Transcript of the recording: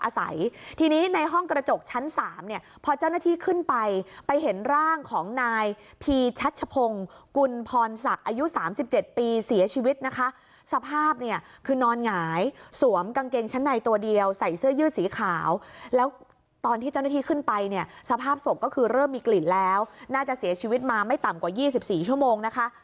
สภาพเนี่ยคือนอนหงายสวมกางเกงชั้นในตัวเดียวใส่เสื้อยืดสีขาวแล้วตอนที่เจ้าหน้าที่ขึ้นไปเนี่ยสภาพศพก็คือเริ่มมีกลิ่นแล้วน่าจะเสียชีวิตมาไม่ต่ำกว่ายี่สิบสี่ชั่วโมงนะคะ